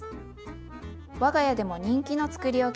我が家でも人気のつくりおきです。